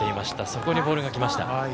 そこにボールがきました。